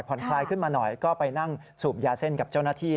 คลายขึ้นมาหน่อยก็ไปนั่งสูบยาเส้นกับเจ้าหน้าที่